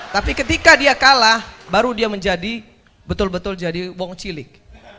tapi ketika dia kalah baru dia menjadi betul betul jadi wong cilik